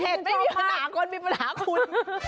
ไม่มีปัญหาคนมีปัญหาคุณ